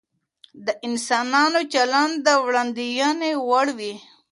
د انسانانو چلند د وړاندوينې وړ وي.